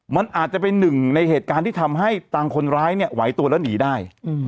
มันอาจจะเป็นหนึ่งในเหตุการณ์ที่ทำให้ต่างคนร้ายเนี่ยไหวตัวแล้วหนีได้